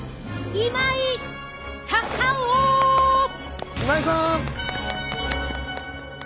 今井さん！